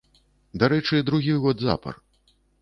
Дарэчы, другі год запар.